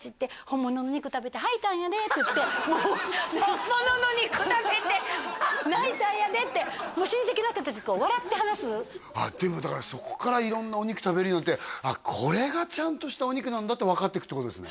「本物の肉食べて吐いたんやで」って言って本物の肉食べて「泣いたんやで」ってもう親戚の人達笑って話すあっでもだからそこから色んなお肉食べるようになってこれがちゃんとしたお肉なんだって分かっていくってことですね